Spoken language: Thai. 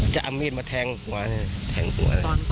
อ๋อเขาเอามีดมาแทงหัว